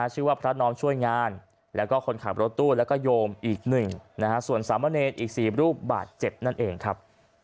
ชื่อว่าพระน้องช่วยงานแล้วก็คนขับรถตู้แล้วก็โยมอีกหนึ่งส่วนสามเณรอีก๔รูปบาดเจ็บนั่นเองครับ